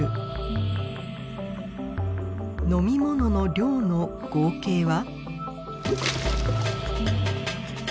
飲み物の量の合計は？